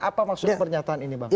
apa maksudnya pernyataan ini bang